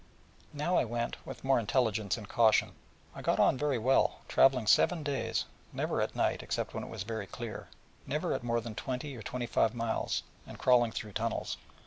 Now I went with more intelligence and caution, and got on very well, travelling seven days, never at night, except it was very clear, never at more than twenty or twenty five miles, and crawling through tunnels.